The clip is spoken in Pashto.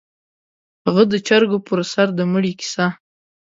_هغه د چرګو پر سر د مړي کيسه؟